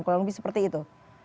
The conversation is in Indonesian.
kalau lebih seperti itu